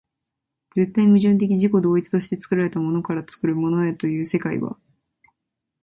絶対矛盾的自己同一として作られたものから作るものへという世界は、